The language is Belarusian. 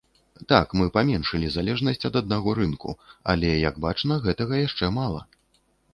Так, мы паменшылі залежнасць ад аднаго рынку, але, як бачна, гэтага яшчэ мала.